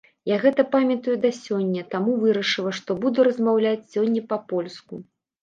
Я гэта памятаю да сёння, таму вырашыла, што буду размаўляць сёння па-польску.